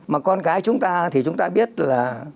mà con cái chúng ta thì chúng ta biết là